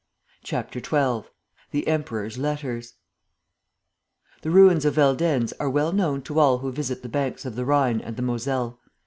." CHAPTER XII THE EMPEROR'S LETTERS The ruins of Veldenz are well known to all who visit the banks of the Rhine and the Moselle.